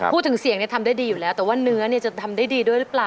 เพียงของคุณแจ็คถนาพล